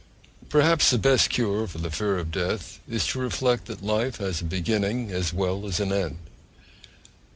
Perhaps the best cure for the fear of death is to reflect that life has a beginning as well as an end.